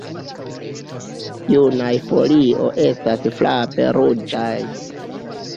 Junaj folio estas flave ruĝaj.